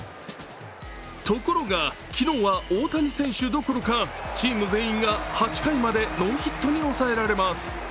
ところが昨日は大谷選手どころかチーム全員が８回までノーヒットに抑えられます。